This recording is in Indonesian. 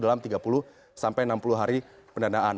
dalam tiga puluh sampai enam puluh hari pendanaan